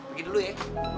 begitu dulu ya